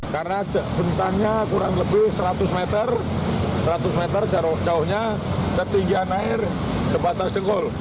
karena bentannya kurang lebih seratus meter seratus meter jauhnya ketinggian air sebatas jenggol